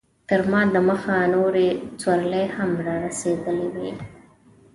تر ما دمخه نورې سورلۍ هم رارسېدلې وې.